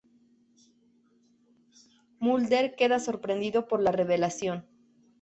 Mulder queda sorprendido por la revelación.